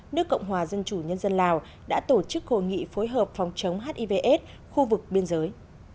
nước cộng hòa dân chủ nhân dân lào đã tổ chức hội nghị phối hợp phòng chống hiv aids khu vực biên giới